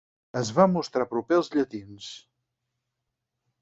Es va mostrar proper als llatins.